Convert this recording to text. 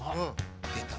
出た！